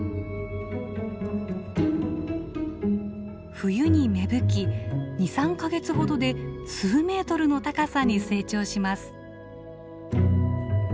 冬に芽吹き２３か月ほどで数メートルの高さに成長します。